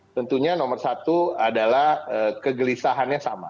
tentunya nomor satu adalah kegelisahannya sama